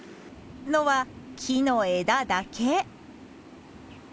のは木の枝だけ。